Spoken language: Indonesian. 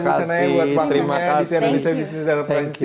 terima kasih bapak mak rusiwisanae buat makanya di sian indonesia business reference